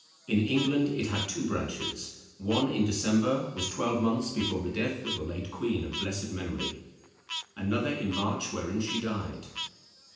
In England it had two branches; one in December was twelve months before the death of the late queen of blessed memory; another in March, wherein she died."